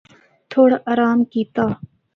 تھوڑا آرام کیتا۔